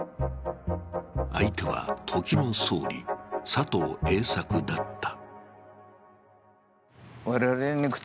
相手は、時の総理、佐藤栄作だった。